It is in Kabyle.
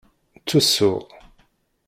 Ttusuɣ.